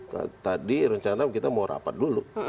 karena tadi rencana kita mau rapat dulu